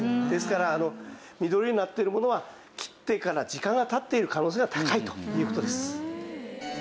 ですから緑になってるものは切ってから時間が経っている可能性が高いという事です。